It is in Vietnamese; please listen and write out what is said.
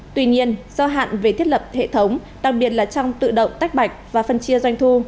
tuy nhiên do hạn về thiết lập hệ thống đặc biệt là trong tự động tách bạch và phân chia doanh thu